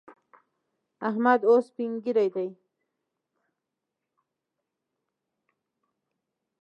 احمد اوس سپين ږير دی؛ ګوز يې تر خوټو نه تېرېږي.